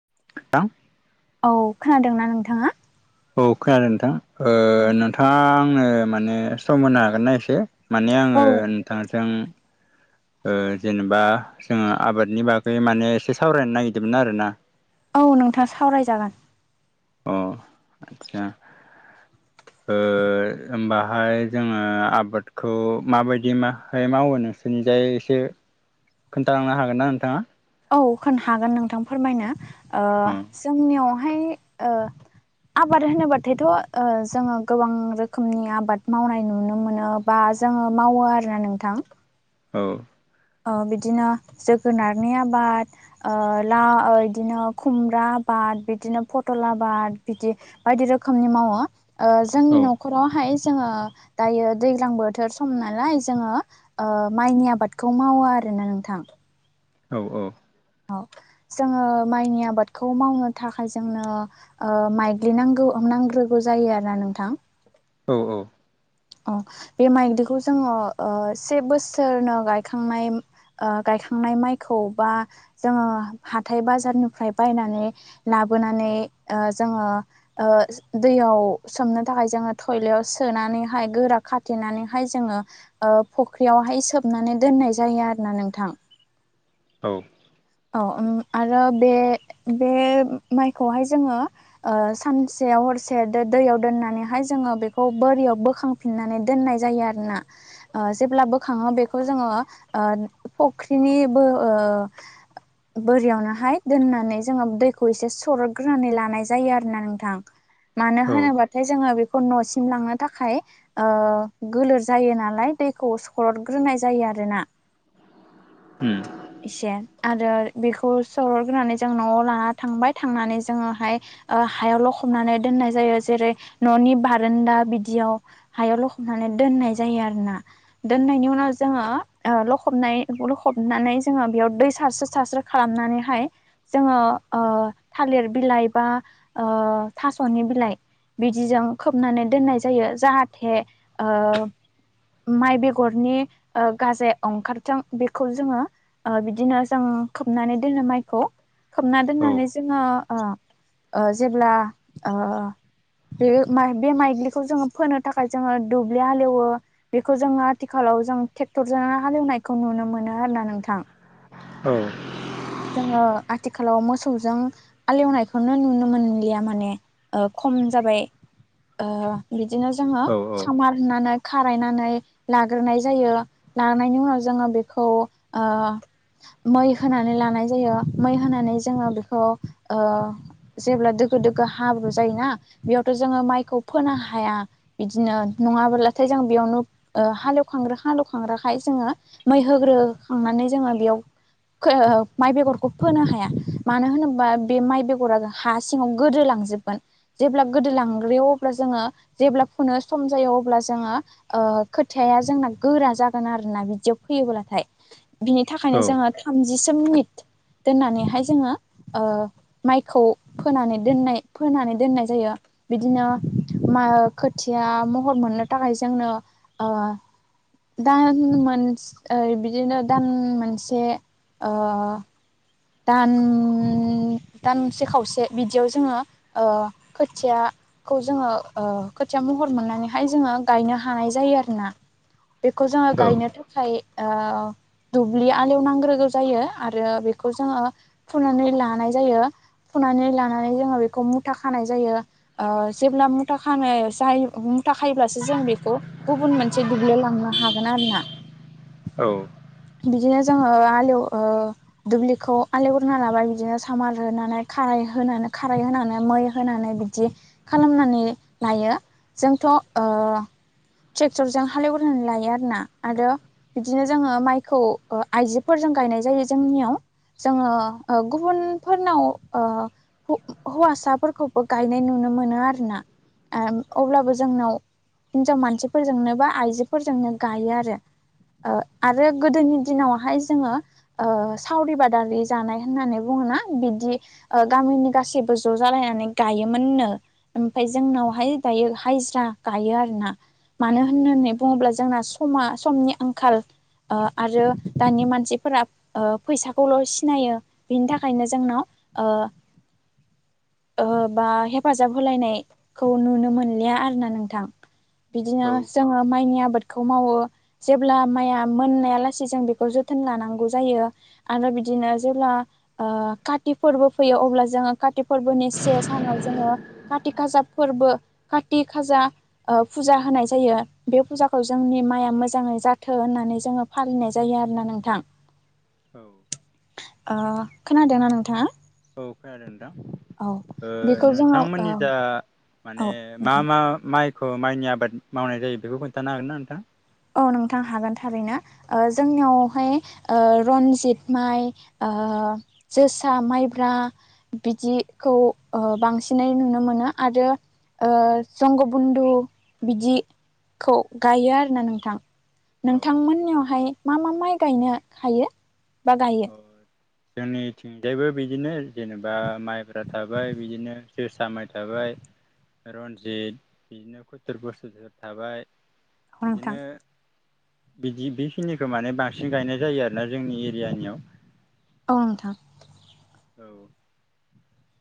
[unintelligible] औ खोनादोंना नोंथाङा? औ खोनादों नोंथां ओ नोंथाङा आंनो माने सम होनो हागोनना एसे। माने औ आङो नोंथांजों ओ जेनेबा जोङो आबादनि बागै माने एसे सावरायनो नागिरदोंमोन आरोना। औ नोंथां सावरायजागोन। अ आतसा ओ ओमबाहाय जोङो आबादखौ माबायदि माहाय मावो नोंसोरनिजाय एसे खोनथालांनो हागोनना नोंथाङा? औ खोन हागोन नोंथां फोरमायनो ओ औ जोंनियावहाय ओ आबाद होनोबाथायथ' ओ जोङो गोबां रोखोमनि आबाद मावनाय नुनो मोनो। बा जोङो मावो आरोना नोंथां। औ ओ बिदिनो जोगोनारनि आबाद ओ ला ओ इदिनो खुमब्रा आबाद बिदिनो फटल आबाद बिदि बायदि रोखोमनि मावो ओ जोंनि न'ख खरावहाय जोङो दायो दैज्लां बोथोर सम नालाय जोङो ओ माइनि आबाद खौ मावो आरोना नोंथां। औ अ औ जोङो माइनि आबादखौ मावनो थाखाय जोंनो ओ माइग्लिनांगौ नांग्रोगौ जायो आरो ना नोंथां। औ औ अ बे माइग्लिखौ जोङो ओ से बोसोरनो गायखांनाय ओ गायखांनाय माइखौ बा जोङो हाथाय बाजारनिफ्राय बायनानै लाबोनानै ओ जोङो ओ दैयाव सोमनो थाखाय जोङो थयलायाव सोनानै हाय गोरा खाथेनानैहाय जोङो ओ फख्रियावहाय सोबनानै दोननाय जायो आरो ना नोंथां। औ औ उम आरो बे, बे माइखौहाय जोङो ओ सानसे हरसे दो दैयाव दोननानैहाय जोङो बेखौ बोरियाव बोखां फिननानै दोननाय जायो आरोना। ओ जेब्ला बोखाङो बेखौ जोङो ओ फख्रिनिबो ओ बोरियावनोहाय दोननानै जोङो दैखौ एसे सर'ग्रोनानै लानाय जायो आरोना नोंथां। [inaudible] मानो होनोब्लाथाय जोङो बेखौ न'सिम लांनो थाखाय ओ गोलोर जायो नालाय दैखौ सर'दग्रोनाय जायो आरोना उम इसे आरो बेखौ सहरग्रोनानै जों न'आव लाना थांबाय थांनानै जोङोहाय ओ हायाव ल'खबनानै दोननाय जायो जेरै न'नि बारान्दा बिदियाव हायाव लखबनानै दोननाय जायो आरोना दोननायनि उनाव जोङो ओ लखबनाय लखबनानै जोङो बेयाव दै सारस्रो सारस्रो खालामनानैहाय जोङो ओ थालिर बिलाइ बा ओ थास'नि बिलाइ बिदिजों खोबनानै दोननाय जायो जाहाथे ओ माइ बेगरनि ओ गाजाया ओंखारथों बेखौ जोङो ओ बिदिनो जों खोबनानै दोनो माइखौ खोबना औ दोननानै जोङो ओ जेब्ला ओ बे बे माइग्लिखौ जोङो फोनो थाखाय जोङो दुब्लि हालेवो बेखौ जोङो आथिखालाव जों टेक्टरजोंनो हालेवनायखौ नुनो मोनो आरोना नोंथां औ। जोङो आथिखालाव मोसौजों। हालेवनायखौनो नुनो मोनलिया माने ओ खम जाबाय। ओ बिदिनो जोङो औ सामार होननानै खारायनानै लाग्रोनाय जायो। लांनायनि उनाव जोङो बेखौ ओ मै होनानै ला नाय जायो मै होनानै जोङो बेखौ ओ। जेब्ला दोगो दोगो हाब्रु जायोना बेयावथ' जोङो माइखौ फोनो हाया। बिदिनो नङाब्लाथाय जों बेयावनो। हालेवखांग्रो हालेवखांग्राखाय जोङो मै होग्रोखांनानै जोङो बेयाव। [unintelligible] माइ बेगरखौ फोनो हाया मानो होनोबा बे माइ बेगरा हा सिङाव गोदोलांजोबगोन। जेब्ला गोदो लांग्रोयो अब्ला जोङो जेब्ला फुनो सम जायो अब्ला जोङो। ओ खोथाया जोंना गोरा जागोन आरोना बिदियाव फैयोब्लाथाय। बिनि थाखायनो जोङो थामजिसो मिनिट। दोननानैहाय जोङो ओ माइखौ फोनानै दोननाय फोनानै दोननाय जायो। बिदिनो मा खोथिया महर मोननो थाखाय जोंनो ओ। दान मोन ओ बिदिनो दान मोनसे ओ। दान दानसे खावसे बिदियाव जोङो खोथिया। खौ जोङो ओ खोथिया महर मोननानैहाय जोङो गायनो हानाय जायो आरोना। बेखौ जोङो गायनो थाखाय ओ दुब्लि आलेव नांग्रोगौ जायो आरो बे। खौ जोङो फुनानै लानाय जायो। फुनानै लानानै जोङो बेखौ मुथा खानाय जायो। ओ जेब्ला मुथा खानाय जायो मुथा खायोब्लासो जों बेखौ। गुबुन मोनसे दुब्लियाव लांनो हागोन आरो ना। औ। बिदिनो जोङो आलेवो। दुब्लिखौ आलेव गोरना लाबाय बिदिनो सामार होनानै खाराय होनानै खाराय होनानै मै होनानै बिदि। खालामनानै लायो जोंथ'ओ। ट्रेकटरजों हालेव गोरना लायो आरोना आरो। बिदिनो जोङो माइखौ ओ आइजोफोरजों गायनाय जायो जोंनियाव। जोङो ओ गुबुनफोरनाव ओ। हौ हौवासाफोरखौबो गायनाय नुनो मोनो आरो ना अब्लाबो जोंनाव। हिनजाव मानसिफोरजोंनो बा आइजोफोरजोंनो गायो आरो। ओ आरो गोदोनि दिनावहाय जोङो ओ। सावरि बादाारि जानाय होननानै बुङोना बिदि। ओ गामिनि गासैबो ज' जालायनानै गायोमोननो। ओमफाय जोंनावहाय दायो हाजिरा गायो आरोना। मानो होननानै बुङोब्ला जोंना समा समनि आंखाल। ओ आरो दानि मानसिफोरा ओ। फैसाखौल' सिनायो बिनि थाखायनो जोंनाव ओ। ओबा हेफाजाब होलायनाय। खौ नुनो मोनलिया आरोना नोंथां बिदिनो औ जोङो माइनि आबाद। खौ मावो जेब्ला माइया मोननाया लासे जों बेखौ जोथोन लानांगौ जायो। आरो बिदिनो जेब्ला ओ काति फोरबो फैयो अब्ला जोङो काति फोरबोनि से सानाव जोङो काति खासा फोरबो काति खाजा ओ फुजा होनाय जायो बे फुजाखौ जोंनि माइआ मोजाङै जाथो होननानै जोङो फालिनाय जायो आरोना नोंथां। औ। ओ खोनादोना नोंथाङा? औ खोनादों नोंथां। औ ओ बेखौ जोङो औ नोंथांमोननि जा औ माने मा नोंथां मा माइ खौ मायनि आबाद मावनाय जायो बेखौ खोन्थानो हागोनना नोंथाङा? औ नोंथां हागोन थारैनो। ओ जोंनियावहाय ओ रन्जित माइ ओ जोसा माइब्रा बिदिखौ ओ बांसिनै नुनो मोनो आरो ओ जंग बन्धु बिदिखौ गायो आरोना नों थां औ नोंथांमोननियावहाय मा मा माइ गायनो हायो बा गायो? औ जोंनिथिंजायबो बिदिनो जेनेबा माइब्रा थाबाय बिदिनो जोसा माइ थाबाय रनजित इदिनो खथुर बोस'जोर थाबाय औ नोंथां इदिनो बिदि बेखिनिखौ माने बांसिन गायनाय जायो आरोना जोंनि एरियानियाव। औ नोंथां।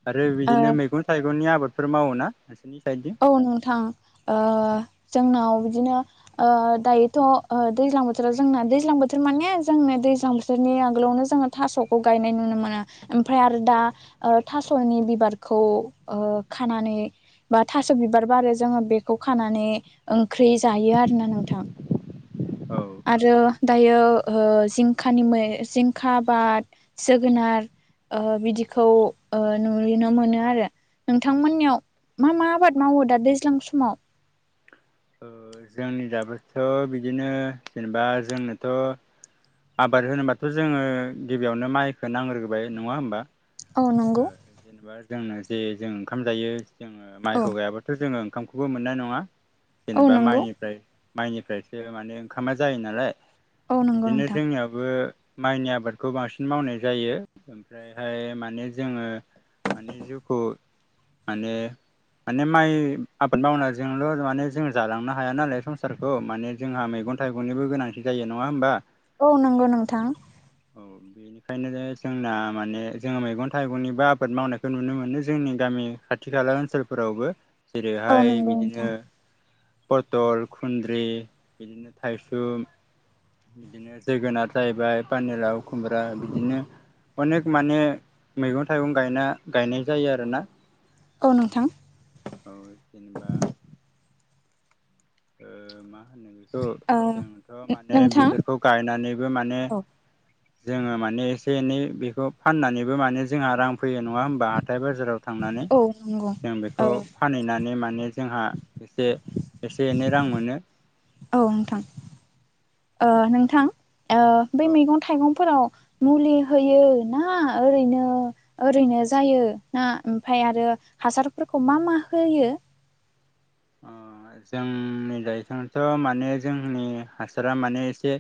आरो ओ बिदिनो मैगं थाइगंनि आबादफोर मावोना नोंसोरनि साइदजों? औ नोंथां ओ जोंनाव बिदिनो ओ दायोथ' ओ दैज्लां बोथोराव जोंना दैज्लां बोथोर माने जोंनो दैज्लां बोथोरनि आगोलावनो जोङो थास'खौ गायनाय नुनो मोनो। ओमफ्राय आरोदा ओ थास'नि बिबारखौ ओ खानानै बा थास' बिबार बारो जोङो बेखौ खानानै ओंख्रि जायो आरोना नोंथां। औ औ आरो दायो ओ जिंखानि मै जिंखा आबाद जोगोनार। ओ बिदिखौ ओ नुुयोनो मोनो आरो नोंथांमोननियाव मा मा आबाद मावो दा दैज्लां समाव? जोंनिजाबोथ' बिदिनो जेनेबा जोंनोथ' आबाद होनोबाथ' जोङो गिबियावनो मायखो नांग्रोबाय नङा होमबा? औ ओ नंगौ जेनेबा जोंनो जे जों ओंखाम जायो जोङो औ माइखौ गायाबा थ' जोङो ओंखामखौबो मोननाय नङा औ जेनेबा नंगौ माइनिफ्राय मायनिफ्रायसो माने ओंखामा जायो नालाय औ नंगौ इदिनो नोंथां जोंनियाबो मायनि आबादखौ बांसिन मावनाय जायो ओमफ्रायहाय माने जोङो माने जिउख' माने माने माय आबाद मावनायजोंल' माने जों जालांनो हाया नालाय संसारखौ माने जोंहा मैगं थाइगंनिबो गोनांथि जायो नङा होमबा? औ नंगौ नोंथां। औ बेनिखायनो जोंना माने जोङो मैगन थाइगंनिबो आबाद मावनायखौ नुनो मोनो जोंनि गामि खाथि खाला ओनसोलफोरावबो। औ जेरैहाय नंगौ नोंथां बिदिनो पथल खुन्द्रि बिदिनो थाइसुम। बिदिनो जोगोनार जाहैबाय पानिलाव खुमब्रा बिदिनो अनेक माने मैगं थाइगं गायना गायनाय जायो आरोना। औ नोंथां। औ जेनेबा ओ मा होनो बेखौ ओ जोंथ' माने नोंथां बेफोरखौ गायनानैबो माने औ जोङो माने एसे एनै बेखौ फाननानैबो माने जोंहा रां फैयो नङा होमबा हाथाय बाजाराव थांनानै औ नंगौ जों ओ बेखौ फानहैनानै माने जोंहा एसे एसे एनै रां मोनो। औ नोंथां ओ औ नोंथां बै औ मैगं थाइगंफोराव मुलि होयो ना ओरैनो ओरैनो जायो ना ओमफ्राय आरो हासारफोरखौ मा मा होयो? अ जोंनि जायोथिथ' माने जोंनि हासारा माने एसे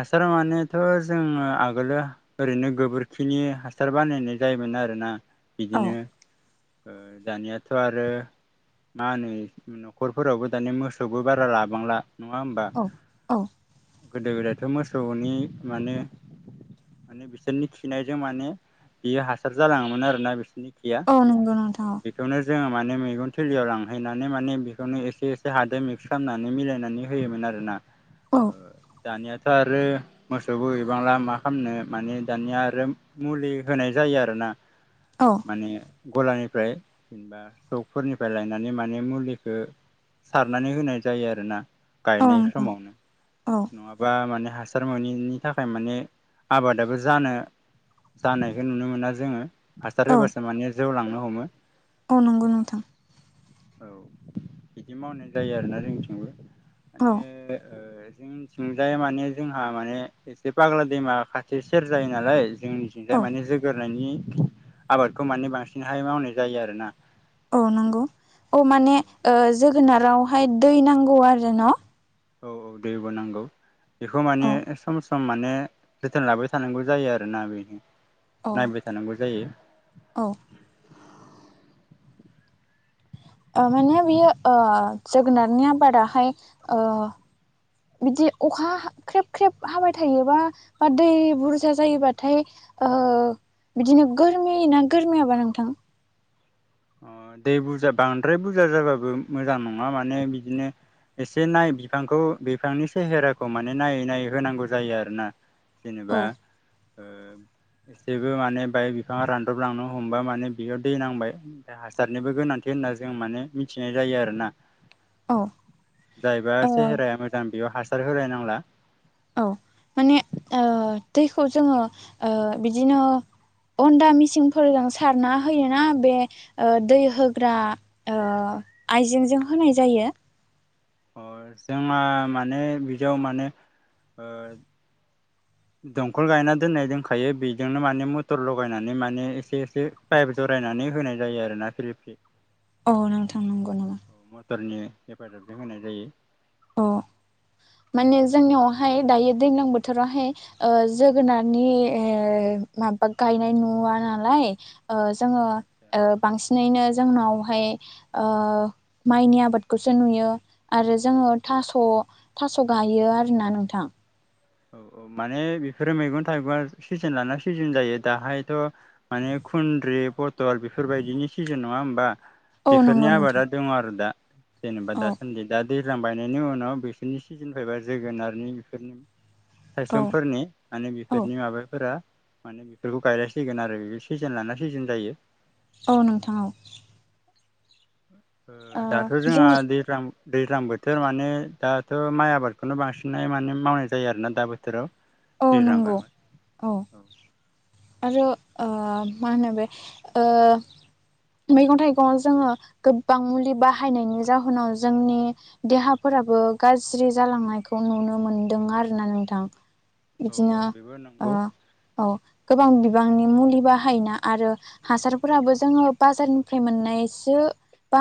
हासार मानेथ' जोङो आगोलो ओरैनो गोबोरखिनि हासार बानायनाय जायोमोन आरोना। औ बिदिनो ओ दानियाथ' आरो मा होनो न'खरफोरावबो दानि मोसौबो बारा लाबांला नङा होमबा। औ औ गोदो गोदायथ' मोसौनि माने बिसोरनि खिनायजों माने बियो हासार जालाङोमोन आरो ना बिसोरनि खिया औ नंगौ नोंथां बेखौनो जोङो माने मैगं थिलियाव लां हैनानै माने बेखौनो एसे एसे हादो मिक्स खालामनानै मिलायनानै होयोमोन आरोना। औ ओ दानियाथ' आरो मोसौबो गैबांला खामनो माने दानिया आरो मुलि होनाय जायो आरोना। औ माने गलानिफ्राय जेनबा सकफोरनिफ्राय लाय नानै माने मुलिखौ सारनानै होनाय जायो आरोना औ गायनाय नोंथां समाव। औ। नङाबा माने हासार मोनैनि थाखाय माने आबादाबो जानो जानायखौ नुनो मोना जोङो हासार औ होबासो माने जौ लांनो हमो। नांगौ नोंथां। औ बिदि मावनाय जायो आरोना जोंनिथिंबो औ माने जोंथिंजाय जोंहा माने बाग्ला दैमा खाथि सेर जायो नालाय जोंनिथिंजाय औ माने जोगोरनायनि आबादखौ माने बांसिनहाय मावनाय जायो आरोना। औ नंगौ औ माने ओ जोगोनारावहाय दै नांगौ आरो ना। औ औ दैबो नांगौ बेखौ माने सम सम माने जोथोन लाबाय थानांगौ जायो आरोना बे औ नायबाय थानांगौ जायो। औ। ओ माने बियो ओ जोगोनारनि आबादाहाय ओ जुदि अखा ख्रेब ख्रेब हाबाय थायोबा बा दै बुरजा जायोबाथाय ओ बिदिनो गोरमियो ना गोरमियाबा नोंथां? अ दै बुरजा बांद्राय बुरजा जाबाबो मोजां नङा माने बिदिनो एसे नायै बिफांखौ बिफांनि सेहेराखौ माने नायै नायै होनांगौ जायो आरो ना। औ जेनेबा एसेबो माने बाय बिफाङा रानदबलांनो हमबा माने बेयाव दै नांबाय। हासारनिबो गोनांथि होनना जों माने मिथिनाय जायो आरोना। औ जायबा ओ सेहेराया मोजां बेयाव हासार होलायनांला। औ माने ओ दैखौ जोङो ओ बिदिनो हन्दा मिसिंफोरजों सारना होयोना बे ओ दै होग्रा ओ आइजेंजों होनाय जायो। अ -जोंहा माने बिदियाव माने ओ दमखल गायना दोननाय दोनखायो बेजोंनो माने मटर लगायनानै माने एसे एसे पायभ जरायनानै होनाय जायो आरोना। औ नोंथां नंगौ नामा? मटरनि हेफाजाबजों होनाय जायो। अ माने जोंनियावहाय दायो दैज्लां बोथोरावहाय ओ जोगोनारनि ओ माबा गायनाय नुवा नालाय। ओ जोङो ओ बांसिनै जोंनावहाय ओ माइनि आबादखौ जों नुयो आरो जोङो थास' थास' गायो आरोना नोंथां। माने बेफोरो मैगं थाइगंआ सिजोन लाना सिजोन जायो दाहायथ' माने खुनदुलि पटल बेफोरबायदिनि सिजोन नङा होमबा? औ बेफोरनि नंगौ नोंथां आबादा दङ आरो दा जेनेबा औ दासान्दि दा दैज्लां बायनायनि उनाव बेसोरनि सिजोन फैबा जोगोनारनि बेफोरनि औ थायसंफोरनि माने औ बेफोरनि माबाफोरा गायलांसिगोन आरोना सिजोन लाना सिजोन जायो। औ नोंथां औ ओ दाथ' जों जोंहा दैज्लां दैज्लां बोथोर माने दाथ' माइ आबादखौनो बांसिनै माने मावनाय जायो आरोना दा बोथोराव। औ बे रां नंगौ [unintelligible] औ आरो ओ मा होनो बे ओ मैगं थाइगङाव जोङो गोबां मुलि बाहायनायनि जाहोनाव जोंनि देहाफोराबो गाज्रि जालांनायखौ नुनो मोनदों आरोना नोंथां। औ औ बिदिनो बेबो ओ नंगौ औ गोबां बिबांनि मुलि बाहायना आरो हासारफोराबो जोङो बाजारनिफ्राय मोननायसो बा